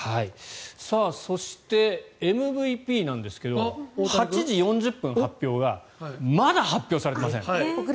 そして、ＭＶＰなんですが８時４０分発表がまだ発表されていません。